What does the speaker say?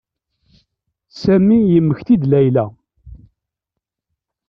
Sami yemmekti-d Layla.